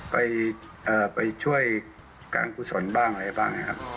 ไปช่วยการกุศลบ้างอะไรบ้างนะครับ